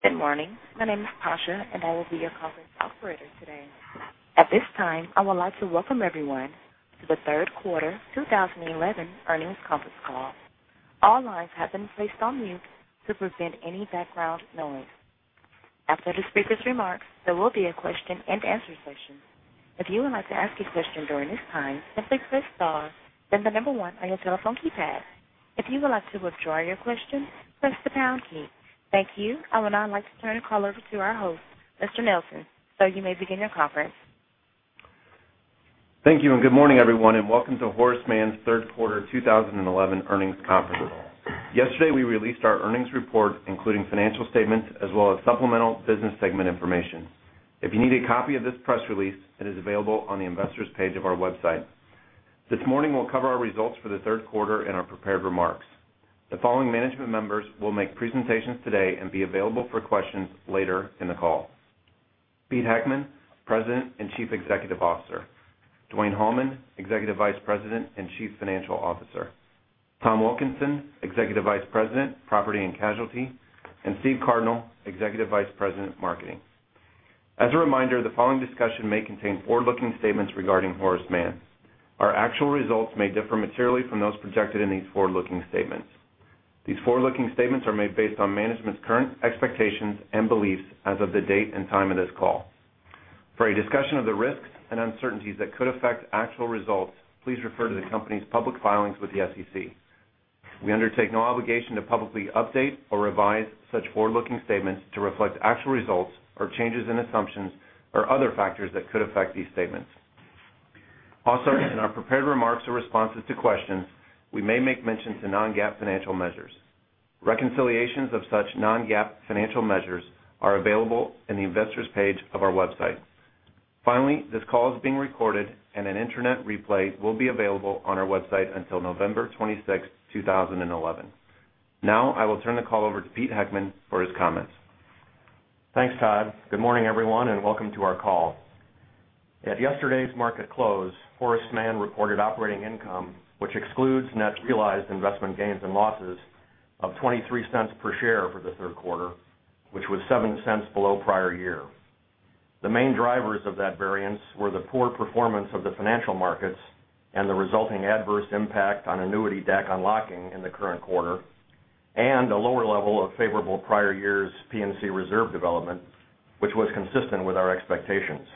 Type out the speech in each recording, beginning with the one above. Good morning. My name is Tasha, and I will be your conference operator today. At this time, I would like to welcome everyone to the third quarter 2011 earnings conference call. All lines have been placed on mute to prevent any background noise. After the speakers' remarks, there will be a question and answer session. If you would like to ask a question during this time, simply press star, then the number one on your telephone keypad. If you would like to withdraw your question, press the pound key. Thank you. I would now like to turn the call over to our host, Mr. Nelson. Sir, you may begin your conference. Thank you, and good morning, everyone, and welcome to Horace Mann's third quarter 2011 earnings conference call. Yesterday, we released our earnings report, including financial statements as well as supplemental business segment information. If you need a copy of this press release, it is available on the investors page of our website. This morning, we'll cover our results for the third quarter in our prepared remarks. The following management members will make presentations today and be available for questions later in the call. Pete Heckman, President and Chief Executive Officer, Dwayne Hallman, Executive Vice President and Chief Financial Officer, Tom Wilkinson, Executive Vice President, Property and Casualty, and Stephen Cardinal, Executive Vice President, Marketing. As a reminder, the following discussion may contain forward-looking statements regarding Horace Mann. Our actual results may differ materially from those projected in these forward-looking statements. These forward-looking statements are made based on management's current expectations and beliefs as of the date and time of this call. For a discussion of the risks and uncertainties that could affect actual results, please refer to the company's public filings with the SEC. We undertake no obligation to publicly update or revise such forward-looking statements to reflect actual results or changes in assumptions or other factors that could affect these statements. Also, in our prepared remarks or responses to questions, we may make mention to non-GAAP financial measures. Reconciliations of such non-GAAP financial measures are available in the investors page of our website. Finally, this call is being recorded, and an internet replay will be available on our website until November 26, 2011. Now, I will turn the call over to Pete Heckman for his comments. Thanks, Todd. Good morning, everyone, and welcome to our call. At yesterday's market close, Horace Mann reported operating income, which excludes net realized investment gains and losses of $0.23 per share for the third quarter, which was $0.07 below prior year. The main drivers of that variance were the poor performance of the financial markets and the resulting adverse impact on annuity DAC unlocking in the current quarter and a lower level of favorable prior year's P&C reserve development, which was consistent with our expectations.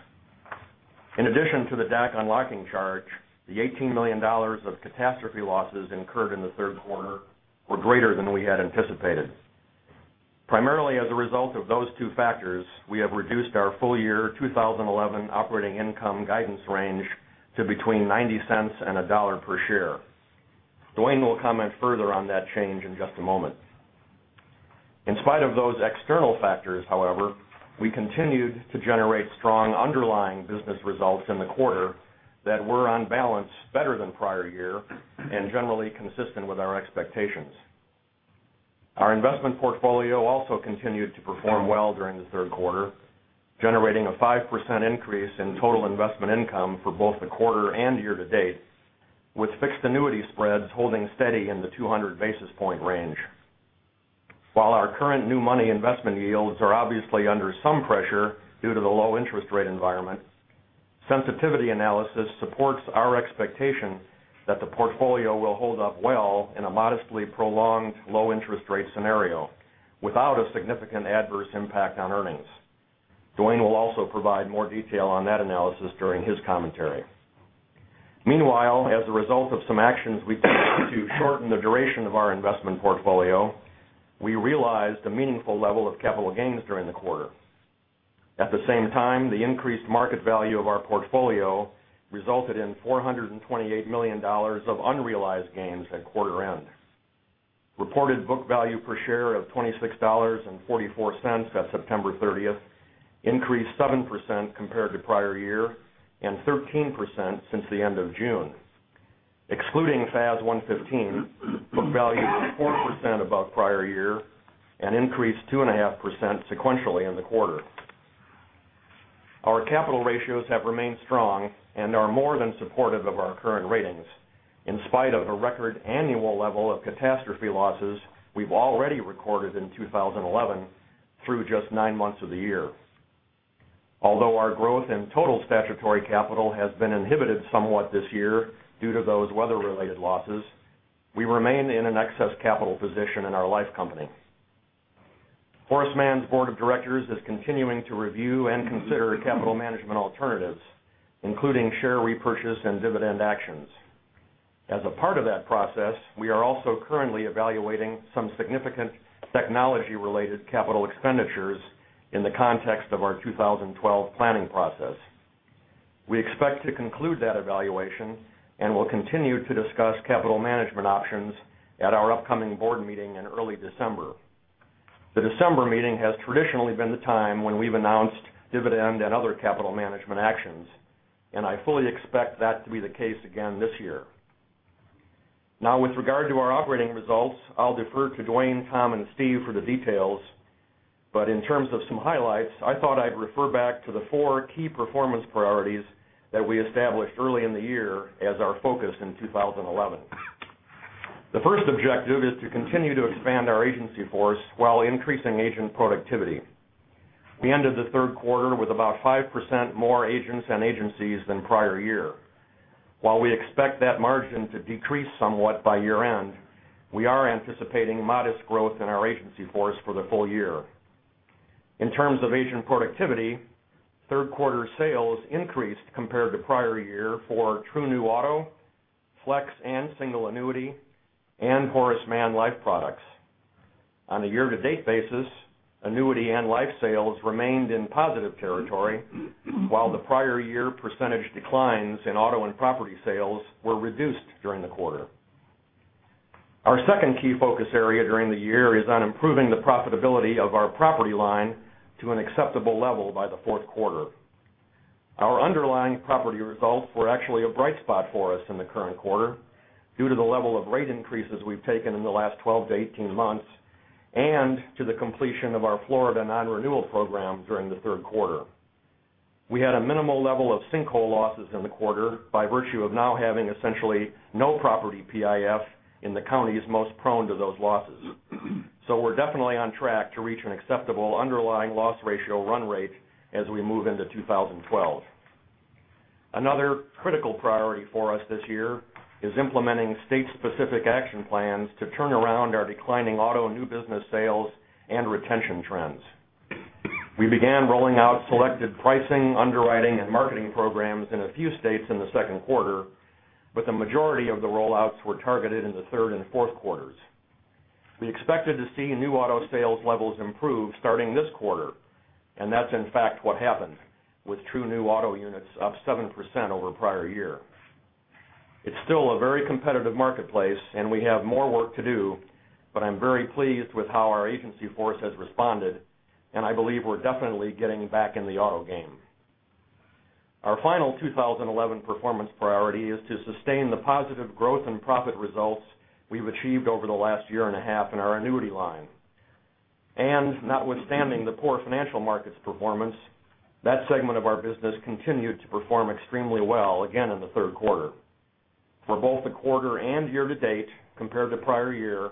In addition to the DAC unlocking charge, the $18 million of catastrophe losses incurred in the third quarter were greater than we had anticipated. Primarily as a result of those two factors, we have reduced our full year 2011 operating income guidance range to between $0.90 and $1.00 per share. Dwayne will comment further on that change in just a moment. In spite of those external factors, however, we continued to generate strong underlying business results in the quarter that were on balance better than prior year and generally consistent with our expectations. Our investment portfolio also continued to perform well during the third quarter, generating a 5% increase in total investment income for both the quarter and year to date, with fixed annuity spreads holding steady in the 200 basis point range. While our current new money investment yields are obviously under some pressure due to the low interest rate environment, sensitivity analysis supports our expectation that the portfolio will hold up well in a modestly prolonged low interest rate scenario without a significant adverse impact on earnings. Dwayne will also provide more detail on that analysis during his commentary. As a result of some actions we took to shorten the duration of our investment portfolio, we realized a meaningful level of capital gains during the quarter. At the same time, the increased market value of our portfolio resulted in $428 million of unrealized gains at quarter end. Reported book value per share of $26.44 at September 30th increased 7% compared to prior year and 13% since the end of June. Excluding FAS 115, book value was 4% above prior year and increased 2.5% sequentially in the quarter. Our capital ratios have remained strong and are more than supportive of our current ratings, in spite of a record annual level of catastrophe losses we've already recorded in 2011 through just nine months of the year. Our growth in total statutory capital has been inhibited somewhat this year due to those weather-related losses, we remain in an excess capital position in our life company. Horace Mann's board of directors is continuing to review and consider capital management alternatives, including share repurchase and dividend actions. As a part of that process, we are also currently evaluating some significant technology-related capital expenditures in the context of our 2012 planning process. We expect to conclude that evaluation and will continue to discuss capital management options at our upcoming board meeting in early December. The December meeting has traditionally been the time when we've announced dividend and other capital management actions, and I fully expect that to be the case again this year. With regard to our operating results, I'll defer to Dwayne, Tom, and Steve for the details. In terms of some highlights, I thought I'd refer back to the four key performance priorities that we established early in the year as our focus in 2011. The first objective is to continue to expand our agency force while increasing agent productivity. We ended the third quarter with about 5% more agents and agencies than prior year. While we expect that margin to decrease somewhat by year-end, we are anticipating modest growth in our agency force for the full year. In terms of agent productivity, third quarter sales increased compared to prior year for true new auto, flex and single annuity, and Horace Mann life products. On a year-to-date basis, annuity and life sales remained in positive territory, while the prior year percentage declines in auto and property sales were reduced during the quarter. Our second key focus area during the year is on improving the profitability of our property line to an acceptable level by the fourth quarter. Our underlying property results were actually a bright spot for us in the current quarter due to the level of rate increases we've taken in the last 12 to 18 months and to the completion of our Florida non-renewal program during the third quarter. We had a minimal level of sinkhole losses in the quarter by virtue of now having essentially no property PIF in the counties most prone to those losses. We're definitely on track to reach an acceptable underlying loss ratio run rate as we move into 2012. Another critical priority for us this year is implementing state-specific action plans to turn around our declining auto new business sales and retention trends. We began rolling out selected pricing, underwriting, and marketing programs in a few states in the second quarter, but the majority of the rollouts were targeted in the third and fourth quarters. We expected to see new auto sales levels improve starting this quarter, and that's in fact what happened, with true new auto units up 7% over prior year. It's still a very competitive marketplace, and we have more work to do, but I'm very pleased with how our agency force has responded, and I believe we're definitely getting back in the auto game. Our final 2011 performance priority is to sustain the positive growth and profit results we've achieved over the last year and a half in our annuity line. Notwithstanding the poor financial markets performance, that segment of our business continued to perform extremely well again in the third quarter. For both the quarter and year to date compared to prior year,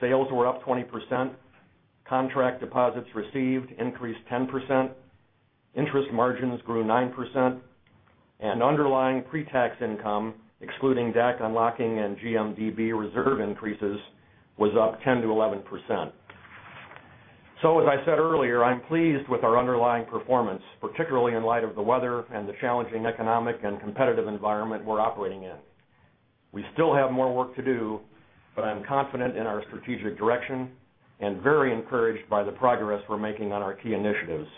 sales were up 20%, contract deposits received increased 10%, interest margins grew 9%, and underlying pre-tax income, excluding DAC unlocking and GMDB reserve increases, was up 10% to 11%. As I said earlier, I'm pleased with our underlying performance, particularly in light of the weather and the challenging economic and competitive environment we're operating in. We still have more work to do, but I'm confident in our strategic direction and very encouraged by the progress we're making on our key initiatives.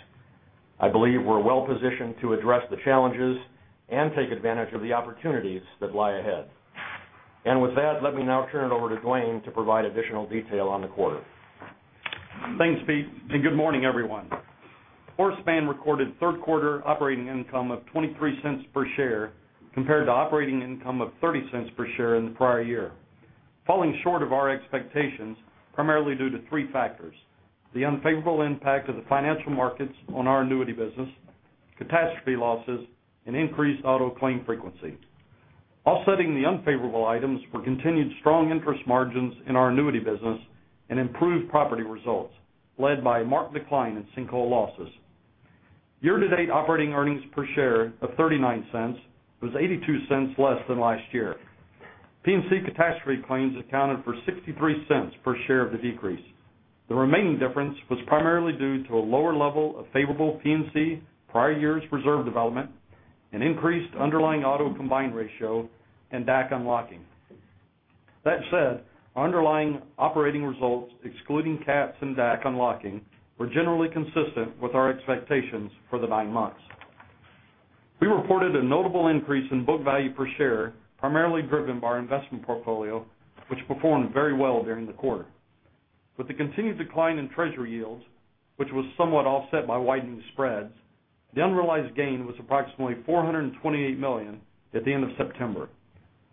With that, let me now turn it over to Dwayne to provide additional detail on the quarter. Thanks, Pete, and good morning, everyone. Horace Mann recorded third quarter operating income of $0.23 per share compared to operating income of $0.30 per share in the prior year, falling short of our expectations primarily due to three factors: the unfavorable impact of the financial markets on our annuity business, catastrophe losses, and increased auto claim frequency. Offsetting the unfavorable items were continued strong interest margins in our annuity business and improved property results led by a marked decline in sinkhole losses. Year-to-date operating earnings per share of $0.39 was $0.82 less than last year. P&C catastrophe claims accounted for $0.63 per share of the decrease. The remaining difference was primarily due to a lower level of favorable P&C prior year's reserve development, an increased underlying auto combined ratio, and DAC unlocking. That said, underlying operating results excluding cats and DAC unlocking were generally consistent with our expectations for the nine months. We reported a notable increase in book value per share, primarily driven by our investment portfolio, which performed very well during the quarter. With the continued decline in Treasury yields, which was somewhat offset by widening spreads, the unrealized gain was approximately $428 million at the end of September,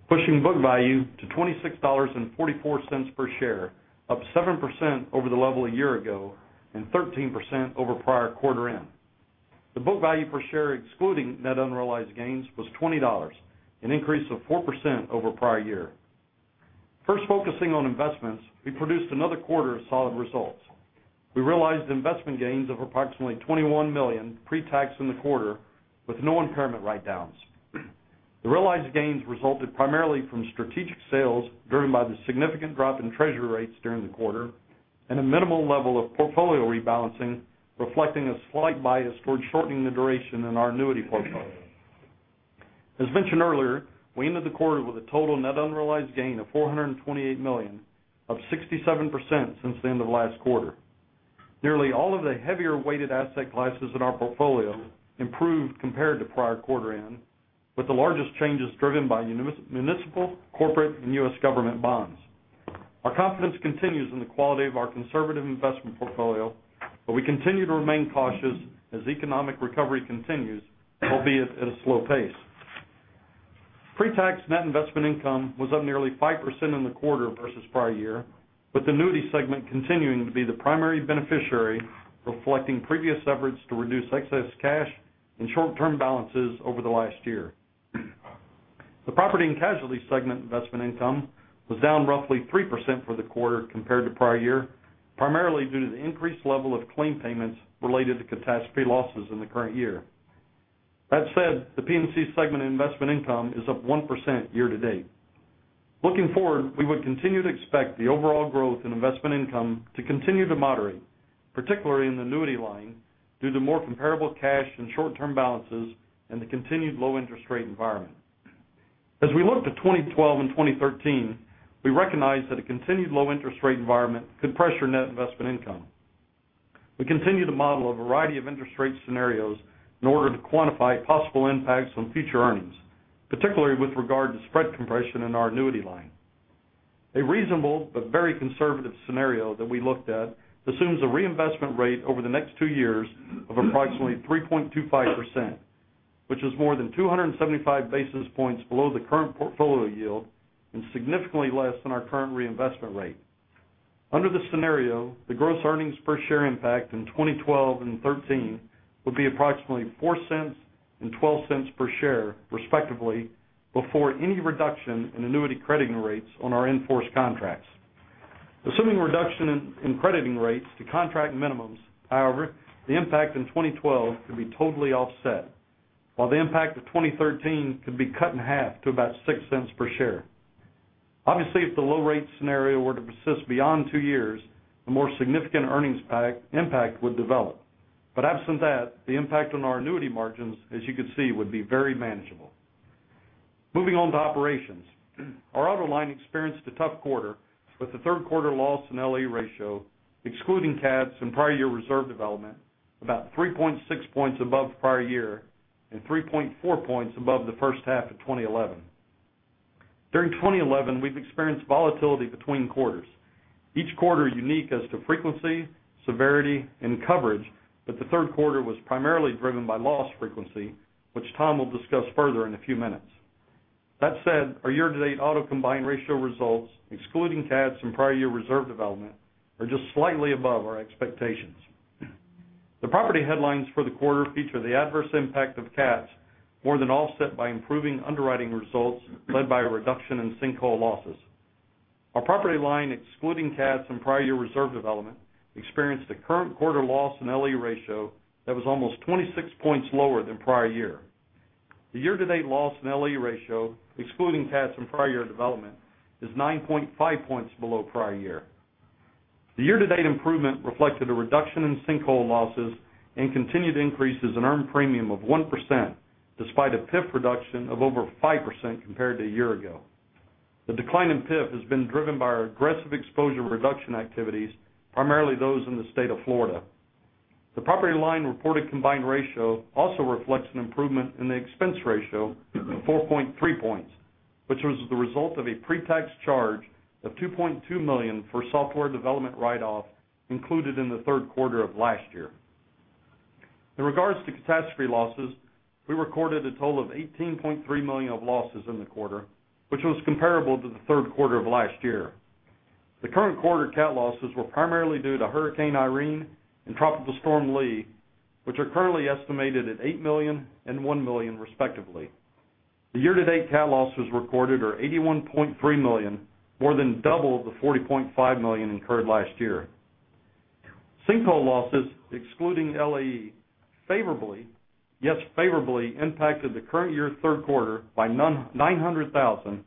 pushing book value to $26.44 per share, up 7% over the level a year ago and 13% over prior quarter end. The book value per share excluding net unrealized gains was $20, an increase of 4% over prior year. First focusing on investments, we produced another quarter of solid results. We realized investment gains of approximately $21 million pre-tax in the quarter with no impairment write-downs. The realized gains resulted primarily from strategic sales driven by the significant drop in Treasury rates during the quarter and a minimal level of portfolio rebalancing, reflecting a slight bias towards shortening the duration in our annuity portfolio. As mentioned earlier, we ended the quarter with a total net unrealized gain of $428 million, up 67% since the end of last quarter. Nearly all of the heavier weighted asset classes in our portfolio improved compared to prior quarter end, with the largest changes driven by municipal, corporate, and U.S. government bonds. Our confidence continues in the quality of our conservative investment portfolio, but we continue to remain cautious as economic recovery continues, albeit at a slow pace. Pre-tax net investment income was up nearly 5% in the quarter versus prior year, with the annuity segment continuing to be the primary beneficiary, reflecting previous efforts to reduce excess cash in short-term balances over the last year. The Property and Casualty segment investment income was down roughly 3% for the quarter compared to prior year, primarily due to the increased level of claim payments related to catastrophe losses in the current year. That said, the P&C segment investment income is up 1% year-to-date. Looking forward, we would continue to expect the overall growth in investment income to continue to moderate, particularly in the annuity line, due to more comparable cash and short-term balances and the continued low interest rate environment. As we look to 2012 and 2013, we recognize that a continued low interest rate environment could pressure net investment income. We continue to model a variety of interest rate scenarios in order to quantify possible impacts on future earnings, particularly with regard to spread compression in our annuity line. A reasonable but very conservative scenario that we looked at assumes a reinvestment rate over the next two years of approximately 3.25%, which is more than 275 basis points below the current portfolio yield and significantly less than our current reinvestment rate. Under this scenario, the gross earnings per share impact in 2012 and 2013 would be approximately $0.04 and $0.12 per share, respectively, before any reduction in annuity crediting rates on our in-force contracts. Assuming a reduction in crediting rates to contract minimums, however, the impact in 2012 could be totally offset, while the impact of 2013 could be cut in half to about $0.06 per share. Obviously, if the low rate scenario were to persist beyond two years, a more significant earnings impact would develop. Absent that, the impact on our annuity margins, as you could see, would be very manageable. Moving on to operations. Our auto line experienced a tough quarter with a third quarter Loss and LAE ratio, excluding CATs and prior year reserve development, about 3.6 points above prior year and 3.4 points above the first half of 2011. During 2011, we've experienced volatility between quarters, each quarter unique as to frequency, severity, and coverage, but the third quarter was primarily driven by loss frequency, which Tom will discuss further in a few minutes. That said, our year-to-date auto combined ratio results, excluding CATs and prior year reserve development, are just slightly above our expectations. The property headlines for the quarter feature the adverse impact of CATs more than offset by improving underwriting results led by a reduction in sinkhole losses. Our property line, excluding CATs and prior year reserve development, experienced a current quarter Loss and LAE ratio that was almost 26 points lower than prior year. The year-to-date Loss and LAE ratio, excluding CATs and prior year development, is 9.5 points below prior year. The year-to-date improvement reflected a reduction in sinkhole losses and continued increases in earned premium of 1% despite a PIF reduction of over 5% compared to a year ago. The decline in PIF has been driven by our aggressive exposure reduction activities, primarily those in the state of Florida. The property line reported combined ratio also reflects an improvement in the expense ratio of 4.3 points, which was the result of a pre-tax charge of $2.2 million for software development write-off included in the third quarter of last year. In regards to catastrophe losses, we recorded a total of $18.3 million of losses in the quarter, which was comparable to the third quarter of last year. The current quarter CAT losses were primarily due to Hurricane Irene and Tropical Storm Lee, which are currently estimated at $8 million and $1 million, respectively. The year-to-date CAT losses recorded are $81.3 million, more than double the $40.5 million incurred last year. Sinkhole losses, excluding LAE, favorably, yes favorably, impacted the current year's third quarter by $900,000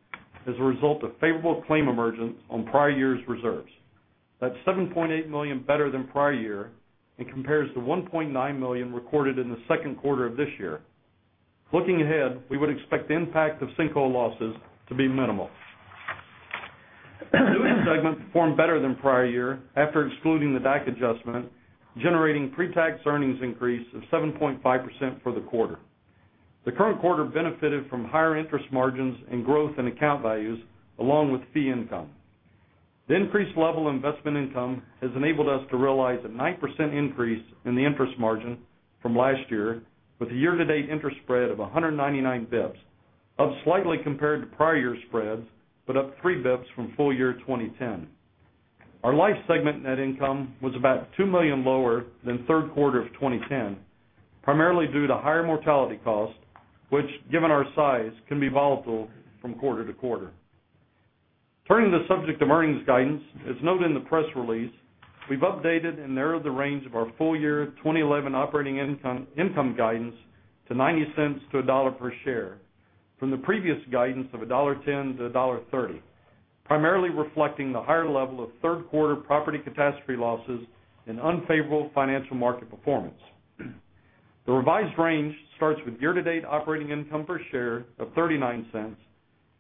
as a result of favorable claim emergence on prior year's reserves. That's $7.8 million better than prior year and compares to $1.9 million recorded in the second quarter of this year. Looking ahead, we would expect the impact of sinkhole losses to be minimal. The annuity segment performed better than prior year after excluding the DAC adjustment, generating pre-tax earnings increase of 7.5% for the quarter. The current quarter benefited from higher interest margins and growth in account values, along with fee income. The increased level investment income has enabled us to realize a 9% increase in the interest margin from last year with a year-to-date interest spread of 199 basis points, up slightly compared to prior year spreads, but up 3 basis points from full year 2010. Our life segment net income was about $2 million lower than third quarter of 2010, primarily due to higher mortality costs, which, given our size, can be volatile from quarter to quarter. Turning to the subject of earnings guidance, as noted in the press release, we've updated and narrowed the range of our full year 2011 operating income guidance to $0.90 to $1 per share from the previous guidance of $1.10 to $1.30, primarily reflecting the higher level of third quarter property catastrophe losses and unfavorable financial market performance. The revised range starts with year-to-date operating income per share of $0.39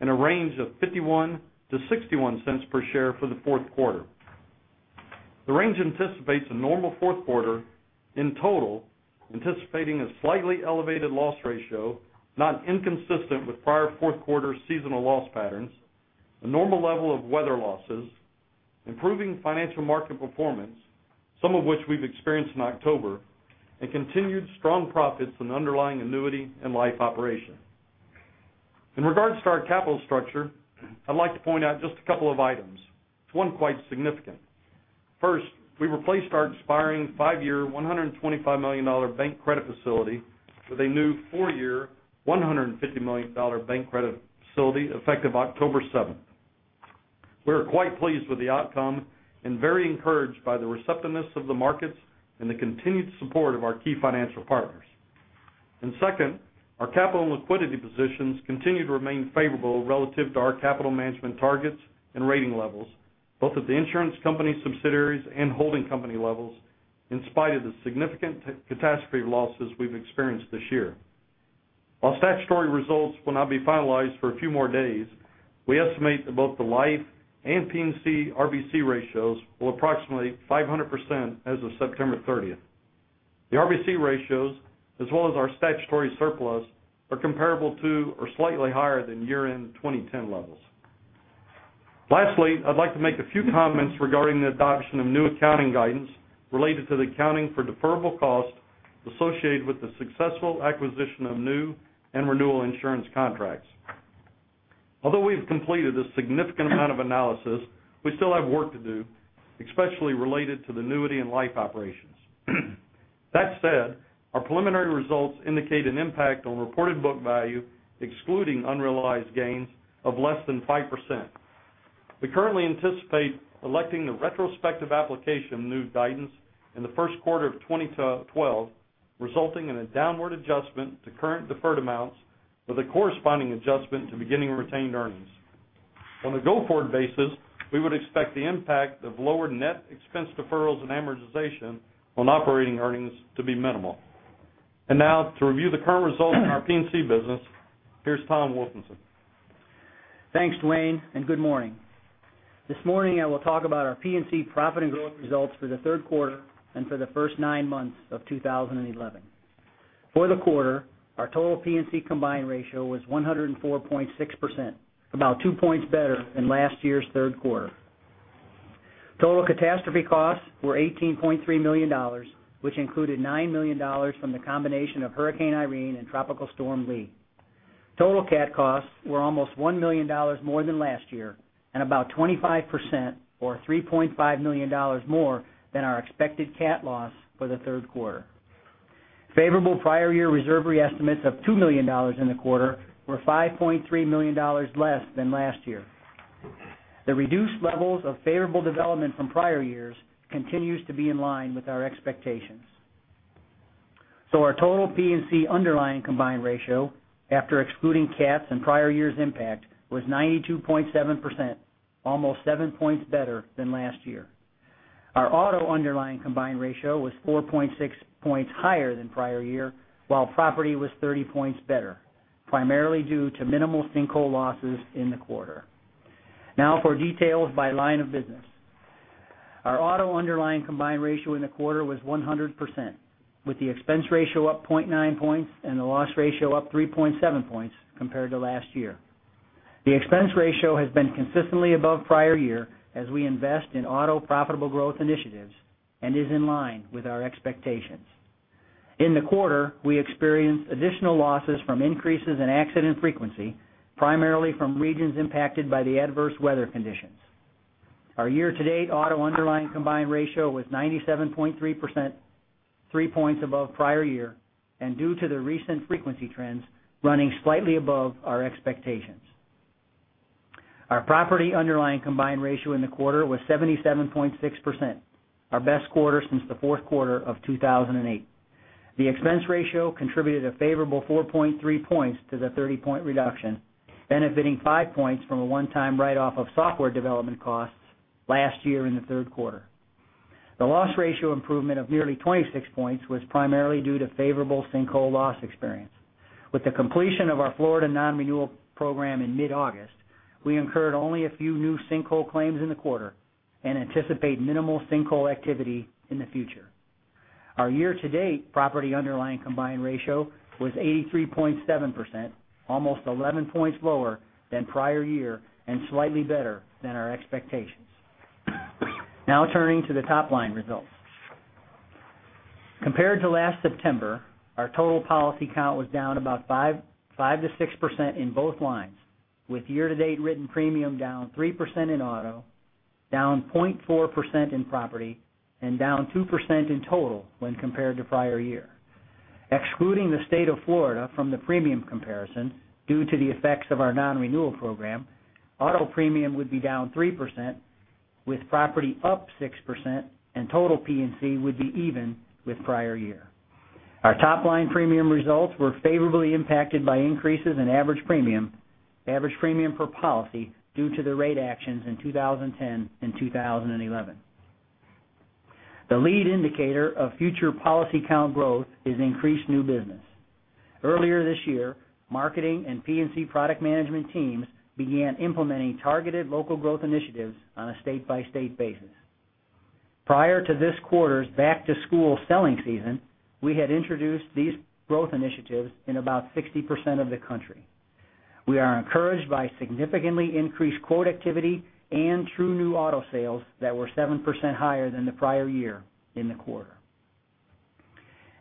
and a range of $0.51 to $0.61 per share for the fourth quarter. The range anticipates a normal fourth quarter in total, anticipating a slightly elevated loss ratio, not inconsistent with prior fourth quarter seasonal loss patterns, a normal level of weather losses, improving financial market performance, some of which we've experienced in October, and continued strong profits from underlying annuity and life operations. In regards to our capital structure, I'd like to point out just a couple of items, one quite significant. First, we replaced our expiring five-year, $125 million bank credit facility with a new four-year, $150 million bank credit facility effective October 7th. We are quite pleased with the outcome and very encouraged by the receptiveness of the markets and the continued support of our key financial partners. Second, our capital and liquidity positions continue to remain favorable relative to our capital management targets and rating levels, both at the insurance company subsidiaries and holding company levels, in spite of the significant catastrophe losses we've experienced this year. While statutory results will not be finalized for a few more days, we estimate that both the life and P&C RBC ratios will approximately 500% as of September 30th. The RBC ratios, as well as our statutory surplus, are comparable to or slightly higher than year-end 2010 levels. Lastly, I'd like to make a few comments regarding the adoption of new accounting guidance related to the accounting for deferrable costs associated with the successful acquisition of new and renewal insurance contracts. Although we've completed a significant amount of analysis, we still have work to do, especially related to the annuity and life operations. That said, our preliminary results indicate an impact on reported book value, excluding unrealized gains, of less than 5%. We currently anticipate electing the retrospective application of new guidance in the first quarter of 2012, resulting in a downward adjustment to current deferred amounts with a corresponding adjustment to beginning retained earnings. On a go-forward basis, we would expect the impact of lower net expense deferrals and amortization on operating earnings to be minimal. Now, to review the current results of our P&C business, here's Tom Wilkinson. Thanks, Dwayne, good morning. This morning, I will talk about our P&C profit and growth results for the third quarter and for the first nine months of 2011. For the quarter, our total P&C combined ratio was 104.6%, about two points better than last year's third quarter. Total catastrophe costs were $18.3 million, which included $9 million from the combination of Hurricane Irene and Tropical Storm Lee. Total cat costs were almost $1 million more than last year and about 25%, or $3.5 million more than our expected cat loss for the third quarter. Favorable prior year reserve re-estimates of $2 million in the quarter were $5.3 million less than last year. The reduced levels of favorable development from prior years continues to be in line with our expectations. Our total P&C underlying combined ratio, after excluding cats and prior year's impact, was 92.7%, almost seven points better than last year. Our auto underlying combined ratio was 4.6 points higher than prior year, while property was 30 points better, primarily due to minimal sinkhole losses in the quarter. For details by line of business. Our auto underlying combined ratio in the quarter was 100%, with the expense ratio up 0.9 points and the loss ratio up 3.7 points compared to last year. The expense ratio has been consistently above prior year as we invest in auto profitable growth initiatives and is in line with our expectations. In the quarter, we experienced additional losses from increases in accident frequency, primarily from regions impacted by the adverse weather conditions. Our year-to-date auto underlying combined ratio was 97.3%, three points above prior year, due to the recent frequency trends running slightly above our expectations. Our property underlying combined ratio in the quarter was 77.6%, our best quarter since the fourth quarter of 2008. The expense ratio contributed a favorable 4.3 points to the 30-point reduction, benefiting five points from a one-time write-off of software development costs last year in the third quarter. The loss ratio improvement of nearly 26 points was primarily due to favorable sinkhole loss experience. With the completion of our Florida non-renewal program in mid-August, we incurred only a few new sinkhole claims in the quarter and anticipate minimal sinkhole activity in the future. Our year-to-date property underlying combined ratio was 83.7%, almost 11 points lower than prior year and slightly better than our expectations. Turning to the top-line results. Compared to last September, our total policy count was down about 5%-6% in both lines, with year-to-date written premium down 3% in auto, down 0.4% in property, down 2% in total when compared to prior year. Excluding the state of Florida from the premium comparison due to the effects of our non-renewal program, auto premium would be down 3%, with property up 6%, total P&C would be even with prior year. Our top-line premium results were favorably impacted by increases in average premium, average premium per policy due to the rate actions in 2010 and 2011. The lead indicator of future policy count growth is increased new business. Earlier this year, marketing and P&C product management teams began implementing targeted local growth initiatives on a state-by-state basis. Prior to this quarter's back-to-school selling season, we had introduced these growth initiatives in about 60% of the country. We are encouraged by significantly increased quote activity and true new auto sales that were 7% higher than the prior year in the quarter.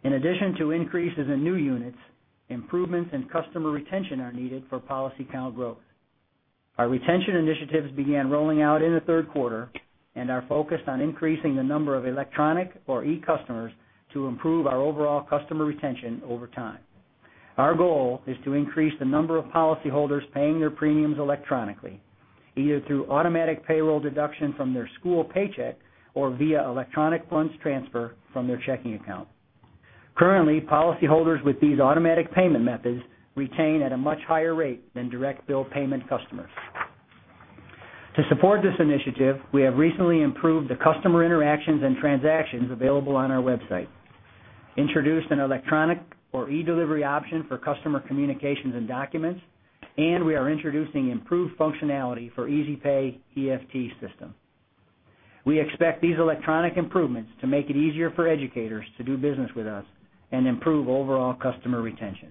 In addition to increases in new units, improvements in customer retention are needed for policy count growth. Our retention initiatives began rolling out in the third quarter and are focused on increasing the number of electronic or e-customers to improve our overall customer retention over time. Our goal is to increase the number of policyholders paying their premiums electronically, either through automatic payroll deduction from their school paycheck or via electronic funds transfer from their checking account. Currently, policyholders with these automatic payment methods retain at a much higher rate than direct bill payment customers. To support this initiative, we have recently improved the customer interactions and transactions available on our website, introduced an electronic or eDelivery option for customer communications and documents, and we are introducing improved functionality for Easy Pay EFT system. We expect these electronic improvements to make it easier for educators to do business with us and improve overall customer retention.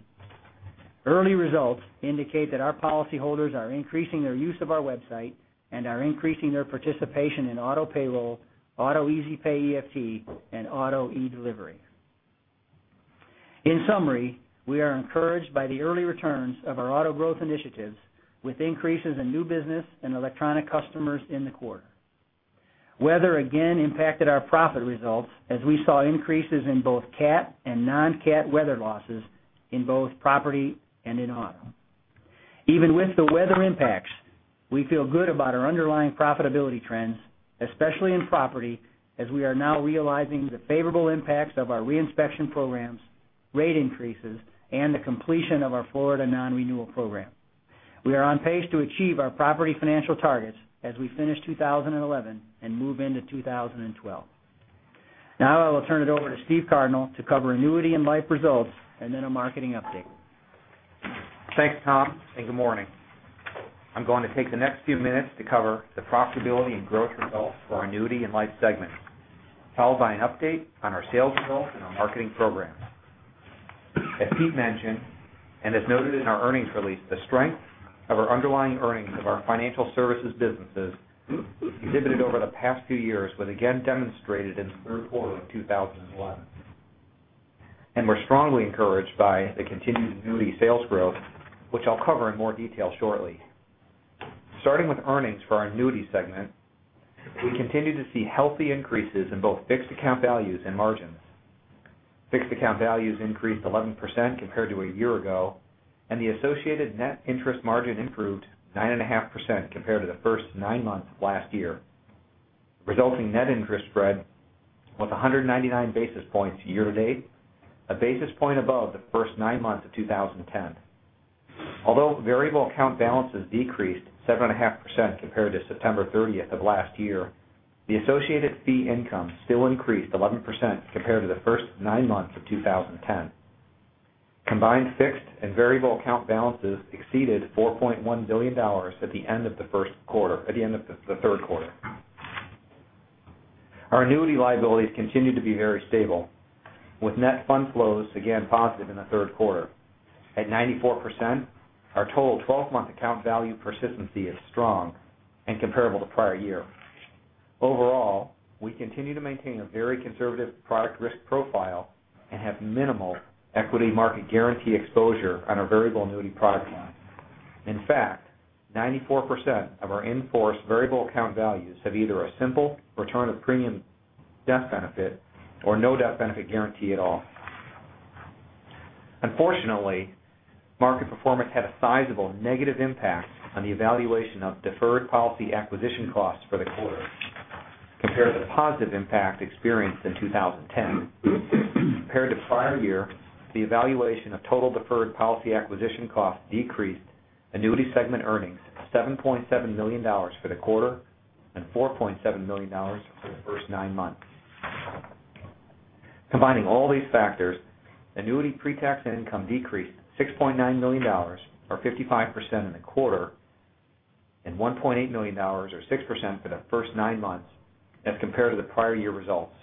Early results indicate that our policyholders are increasing their use of our website and are increasing their participation in auto payroll, auto Easy Pay EFT, and auto eDelivery. In summary, we are encouraged by the early returns of our auto growth initiatives, with increases in new business and electronic customers in the quarter. Weather again impacted our profit results as we saw increases in both cat and non-cat weather losses in both property and in auto. Even with the weather impacts, we feel good about our underlying profitability trends, especially in property, as we are now realizing the favorable impacts of our re-inspection programs, rate increases, and the completion of our Florida non-renewal program. We are on pace to achieve our property financial targets as we finish 2011 and move into 2012. I will turn it over to Stephen Cardinal to cover annuity and life results and then a marketing update. Thanks, Tom, and good morning. I'm going to take the next few minutes to cover the profitability and growth results for our annuity and life segment, followed by an update on our sales results and our marketing programs. As Pete mentioned, and as noted in our earnings release, the strength of our underlying earnings of our financial services businesses exhibited over the past few years were again demonstrated in the third quarter of 2011. We're strongly encouraged by the continued annuity sales growth, which I'll cover in more detail shortly. Starting with earnings for our annuity segment, we continue to see healthy increases in both fixed account values and margins. Fixed account values increased 11% compared to a year ago. The associated net interest margin improved 9.5% compared to the first nine months of last year, resulting net interest spread of 199 basis points year to date, a basis point above the first nine months of 2010. Variable account balances decreased 7.5% compared to September 30th of last year, the associated fee income still increased 11% compared to the first nine months of 2010. Combined fixed and variable account balances exceeded $4.1 billion at the end of the third quarter. Our annuity liabilities continue to be very stable, with net fund flows again positive in the third quarter. At 94%, our total 12-month account value persistency is strong and comparable to prior year. Overall, we continue to maintain a very conservative product risk profile and have minimal equity market guarantee exposure on our variable annuity product line. In fact, 94% of our in-force variable account values have either a simple return of premium death benefit or no death benefit guarantee at all. Unfortunately, market performance had a sizable negative impact on the evaluation of deferred policy acquisition costs for the quarter compared to the positive impact experienced in 2010. Compared to prior year, the evaluation of total deferred policy acquisition costs decreased annuity segment earnings $7.7 million for the quarter and $4.7 million for the first nine months. Combining all these factors, annuity pre-tax income decreased $6.9 million, or 55% in the quarter, and $1.8 million, or 6% for the first nine months as compared to the prior year results.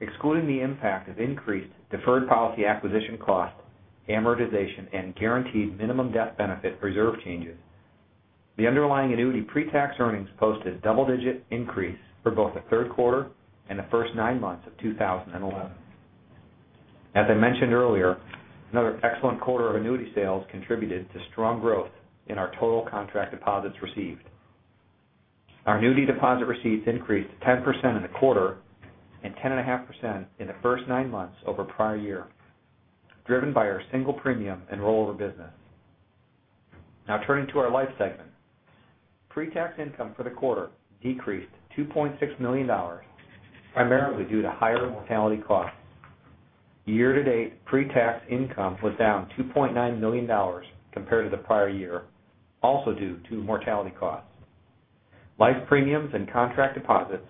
Excluding the impact of increased deferred policy acquisition cost, amortization, and guaranteed minimum death benefit reserve changes, the underlying annuity pre-tax earnings posted double-digit increase for both the third quarter and the first nine months of 2011. As I mentioned earlier, another excellent quarter of annuity sales contributed to strong growth in our total contract deposits received. Our annuity deposit receipts increased 10% in the quarter and 10.5% in the first nine months over prior year, driven by our single premium and rollover business. Turning to our life segment. Pre-tax income for the quarter decreased $2.6 million, primarily due to higher mortality costs. Year to date, pre-tax income was down $2.9 million compared to the prior year, also due to mortality costs. Life premiums and contract deposits,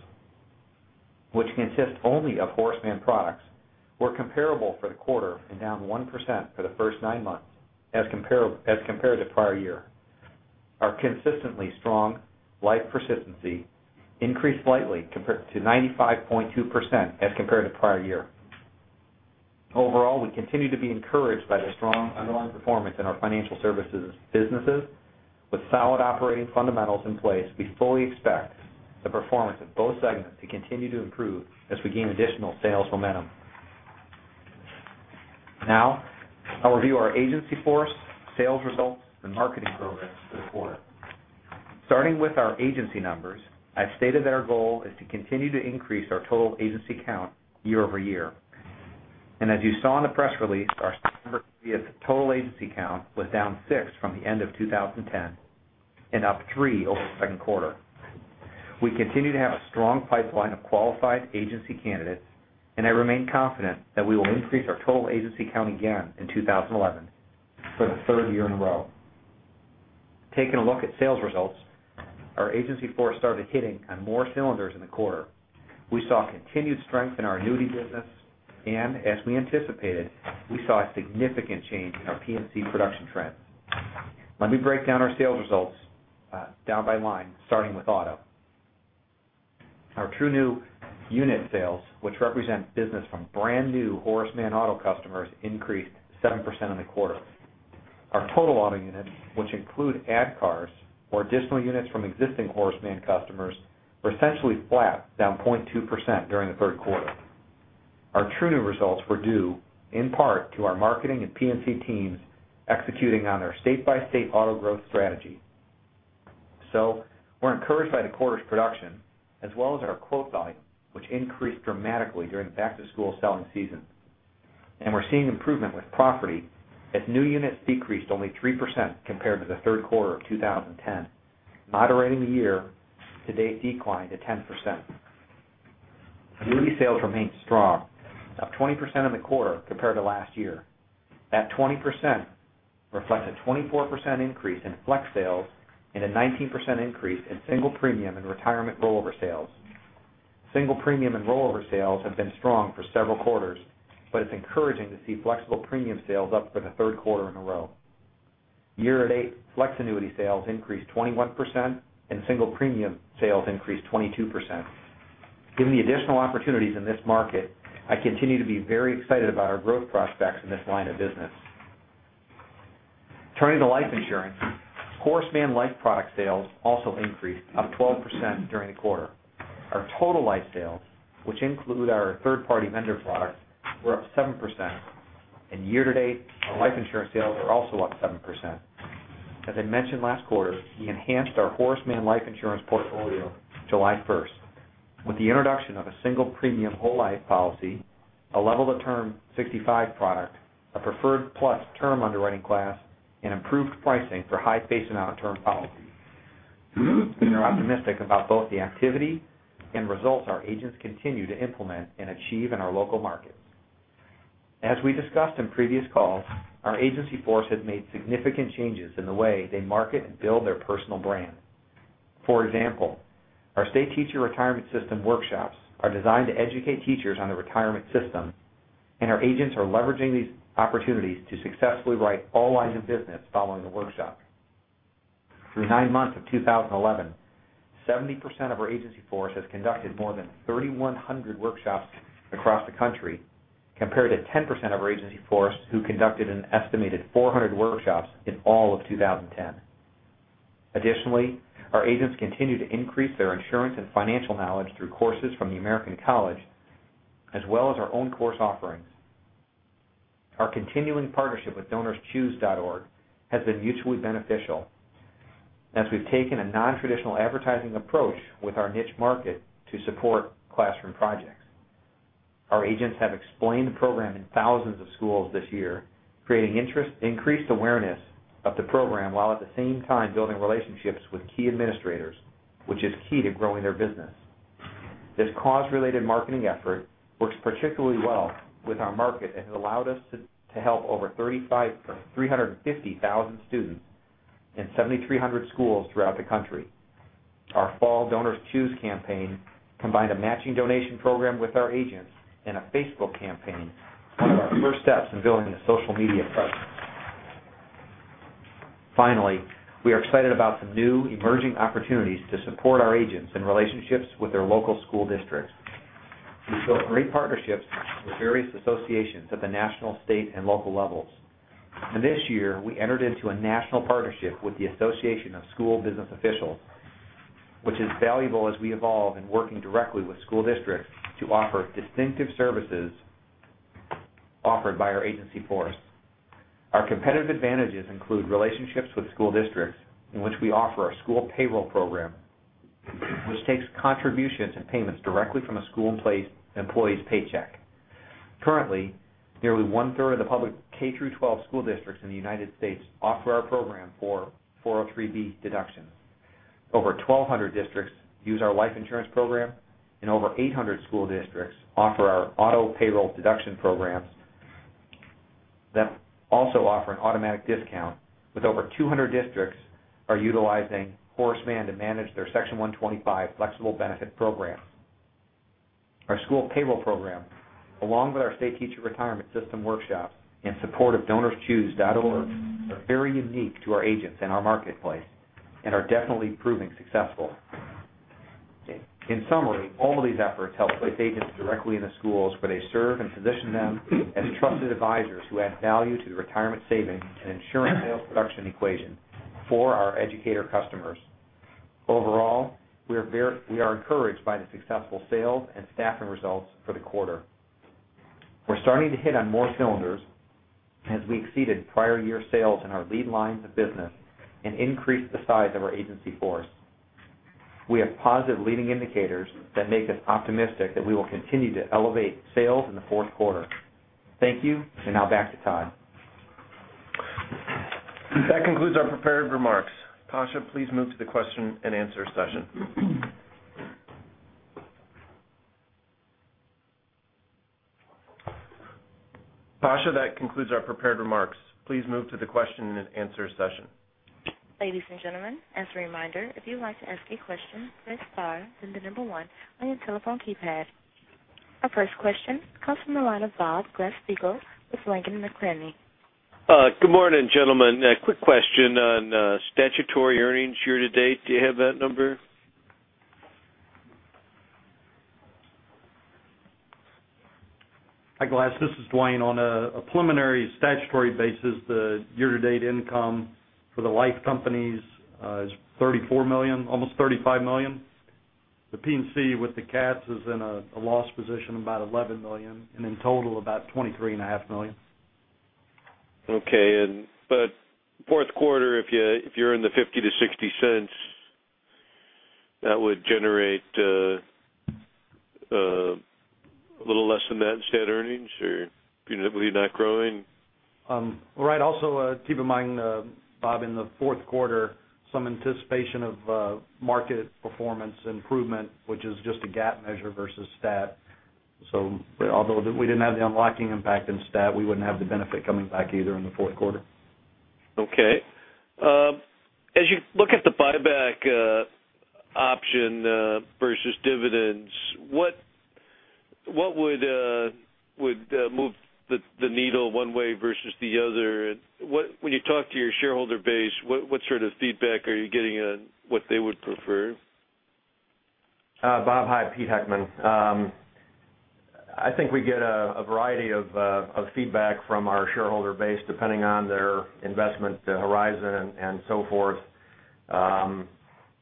which consist only of Horace Mann products, were comparable for the quarter and down 1% for the first nine months as compared to prior year. Our consistently strong life persistency increased slightly to 95.2% as compared to prior year. Overall, we continue to be encouraged by the strong underlying performance in our financial services businesses. With solid operating fundamentals in place, we fully expect the performance of both segments to continue to improve as we gain additional sales momentum. I'll review our agency force, sales results, and marketing programs for the quarter. Starting with our agency numbers, I've stated that our goal is to continue to increase our total agency count year-over-year. As you saw in the press release, our September 30th total agency count was down six from the end of 2010 and up three over the second quarter. We continue to have a strong pipeline of qualified agency candidates, and I remain confident that we will increase our total agency count again in 2011 for the third year in a row. Taking a look at sales results, our agency force started hitting on more cylinders in the quarter. We saw continued strength in our annuity business. As we anticipated, we saw a significant change in our P&C production trends. Let me break down our sales results down by line, starting with auto. Our true new unit sales, which represents business from brand new Horace Mann auto customers, increased 7% in the quarter. Our total auto units, which include add cars or additional units from existing Horace Mann customers, were essentially flat, down 0.2% during the third quarter. Our true new results were due in part to our marketing and P&C teams executing on our state-by-state auto growth strategy. We're encouraged by the quarter's production as well as our quote volume, which increased dramatically during the back-to-school selling season. We're seeing improvement with property as new units decreased only 3% compared to the third quarter of 2010, moderating the year-to-date decline to 10%. Annuity sales remained strong, up 20% in the quarter compared to last year. That 20% reflects a 24% increase in flex sales and a 19% increase in single premium and retirement rollover sales. Single premium and rollover sales have been strong for several quarters, but it's encouraging to see flexible premium sales up for the third quarter in a row. Year-to-date, flex annuity sales increased 21%, and single premium sales increased 22%. Given the additional opportunities in this market, I continue to be very excited about our growth prospects in this line of business. Turning to life insurance, Horace Mann life product sales also increased, up 12% during the quarter. Our total life sales, which include our third-party vendor products, were up 7%, and year to date, our life insurance sales are also up 7%. As I mentioned last quarter, we enhanced our Horace Mann life insurance portfolio July 1st with the introduction of a single premium whole life policy, a level to term 65 product, a preferred plus term underwriting class, and improved pricing for high face amount term policies. We are optimistic about both the activity and results our agents continue to implement and achieve in our local markets. As we discussed in previous calls, our agency force has made significant changes in the way they market and build their personal brand. For example, our State Teacher Retirement System workshops are designed to educate teachers on the retirement system. Our agents are leveraging these opportunities to successfully write all lines of business following the workshop. Through nine months of 2011, 70% of our agency force has conducted more than 3,100 workshops across the country, compared to 10% of our agency force who conducted an estimated 400 workshops in all of 2010. Additionally, our agents continue to increase their insurance and financial knowledge through courses from The American College, as well as our own course offerings. Our continuing partnership with donorschoose.org has been mutually beneficial as we've taken a non-traditional advertising approach with our niche market to support classroom projects. Our agents have explained the program in thousands of schools this year, creating increased awareness of the program, while at the same time building relationships with key administrators, which is key to growing their business. This cause-related marketing effort works particularly well with our market and has allowed us to help over 350,000 students in 7,300 schools throughout the country. Our fall DonorsChoose campaign combined a matching donation program with our agents and a Facebook campaign, one of our first steps in building a social media presence. Finally, we are excited about some new emerging opportunities to support our agents in relationships with their local school districts. We've built great partnerships with various associations at the national, state, and local levels. This year, we entered into a national partnership with the Association of School Business Officials, which is valuable as we evolve in working directly with school districts to offer distinctive services offered by our agency force. Our competitive advantages include relationships with school districts in which we offer our school payroll program, which takes contributions and payments directly from a school employee's paycheck. Currently, nearly one-third of the public K through 12 school districts in the U.S. offer our program for 403(b) deductions. Over 1,200 districts use our life insurance program, and over 800 school districts offer our auto payroll deduction programs that also offer an automatic discount, with over 200 districts are utilizing Horace Mann to manage their Section 125 flexible benefit programs. Our school payroll program, along with our State Teacher Retirement System workshop in support of donorschoose.org, are very unique to our agents and our marketplace and are definitely proving successful. In summary, all of these efforts help place agents directly in the schools where they serve and position them as trusted advisors who add value to the retirement saving and insurance sales production equation for our educator customers. Overall, we are encouraged by the successful sales and staffing results for the quarter. We're starting to hit on more cylinders as we exceeded prior year sales in our lead lines of business and increased the size of our agency force. We have positive leading indicators that make us optimistic that we will continue to elevate sales in the fourth quarter. Thank you, and now back to Todd. That concludes our prepared remarks. Tasha, please move to the question and answer session. Tasha, that concludes our prepared remarks. Please move to the question and answer session. Ladies and gentlemen, as a reminder, if you'd like to ask a question, press star, then the number one on your telephone keypad. Our first question comes from the line of Bob Glasspiegel with Janney Montgomery. Good morning, gentlemen. A quick question on statutory earnings year to date. Do you have that number? Hi, Glass, this is Dwayne. On a preliminary statutory basis, the year-to-date income for the life companies is $34 million, almost $35 million. The P&C with the cats is in a loss position, about $11 million, and in total, about $23.5 million. Okay. Fourth quarter, if you earn the $0.50-$0.60, that would generate a little less than that in stat earnings, or will you not growing? Right. Also, keep in mind, Bob, in the fourth quarter, some anticipation of market performance improvement, which is just a GAAP measure versus stat. Although we didn't have the unlocking impact in stat, we wouldn't have the benefit coming back either in the fourth quarter. Okay. As you look at the buyback option versus dividends, what would move the needle one way versus the other? When you talk to your shareholder base, what sort of feedback are you getting on what they would prefer? Bob, hi. Pete Heckman. I think we get a variety of feedback from our shareholder base, depending on their investment horizon and so forth.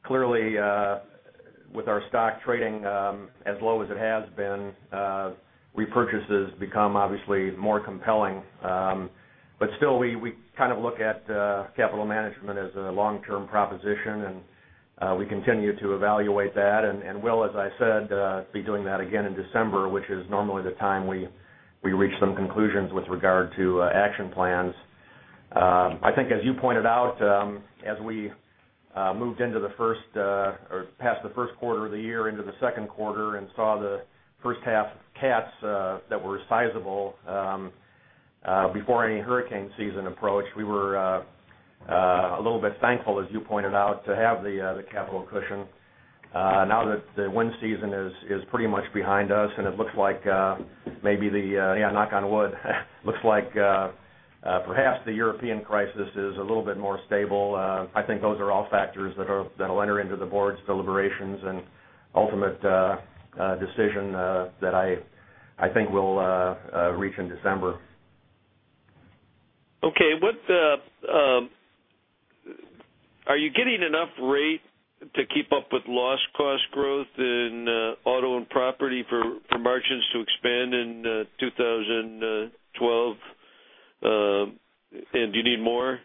Clearly, with our stock trading as low as it has been, repurchases become obviously more compelling. Still, we kind of look at capital management as a long-term proposition, and we continue to evaluate that. Will, as I said, be doing that again in December, which is normally the time we reach some conclusions with regard to action plans. I think as you pointed out, as we moved into the first or past the first quarter of the year into the second quarter and saw the first half cats that were sizable before any hurricane season approach, we were a little bit thankful, as you pointed out, to have the capital cushion. Now that the wind season is pretty much behind us, it looks like maybe, knock on wood, looks like perhaps the European crisis is a little bit more stable. I think those are all factors that'll enter into the board's deliberations and ultimate decision that I think we'll reach in December. Okay. Are you getting enough rate to keep up with loss cost growth in auto and property for margins to expand in 2012? Do you need more?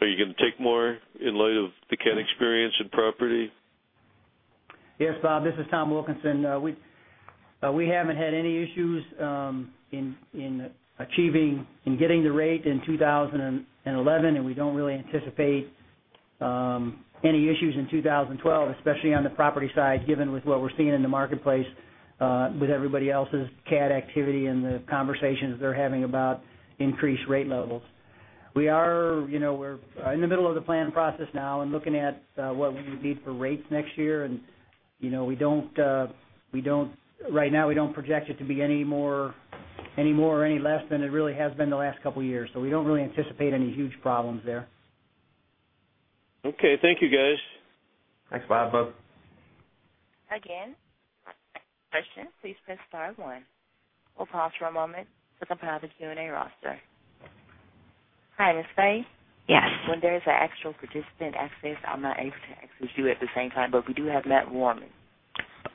Are you going to take more in light of the cat experience and property? Yes, Bob. This is Tom Wilkinson. We haven't had any issues in getting the rate in 2011. We don't really anticipate any issues in 2012, especially on the property side, given with what we're seeing in the marketplace with everybody else's cat activity and the conversations they're having about increased rate levels. We're in the middle of the planning process now. Looking at what we would need for rates next year, right now we don't project it to be any more or any less than it really has been the last couple of years. We don't really anticipate any huge problems there. Okay. Thank you, guys. Thanks, Bob. For questions, please press star one. We'll pause for a moment to compile the Q&A roster. Hi, is this Faye? Yes. When there's an actual participant access, I'm not able to actually do it at the same time. We do have Matt Carman.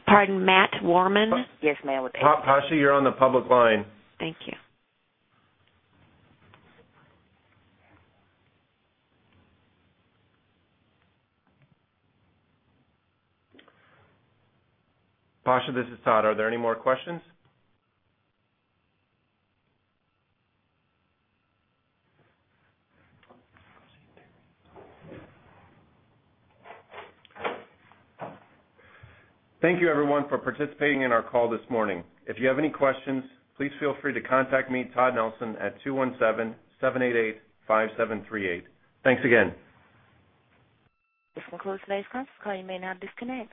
Pardon, Matt Carman? Yes, ma'am. Pasha, you're on the public line. Thank you. Pasha, this is Todd. Are there any more questions? Thank you, everyone, for participating in our call this morning. If you have any questions, please feel free to contact me, Todd Nelson, at 217-788-5738. Thanks again. This concludes today's conference call. You may now disconnect.